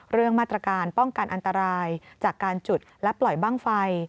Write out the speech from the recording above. เรื่องมาตรการป้องกันอันตรายจากการจุดและปล่อยบ้างไฟ